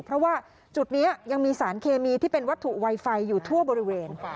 เพราะว่าจุดนี้ยังมีสารเคมีที่เป็นวัตถุไวไฟอยู่ทั่วบริเวณ